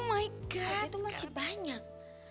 bagaimana itu masih banyak